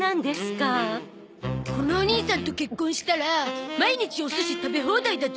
このお兄さんと結婚したら毎日おすし食べ放題だゾ。